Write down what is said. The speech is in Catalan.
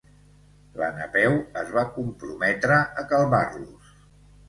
La Napeu es va comprometre a calmar-los.